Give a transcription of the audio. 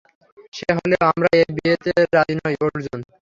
সে হলেও, আমরা এই বিয়েতে রাজি নই, অর্জুন।